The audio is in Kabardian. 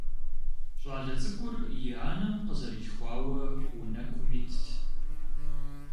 ЩӀалэ цӀыкӀур и анэм къызэрилъхуауэ унэкум итт.